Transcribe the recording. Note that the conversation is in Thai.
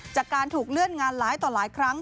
จากการถูกเลื่อนงานหลายต่อหลายครั้ง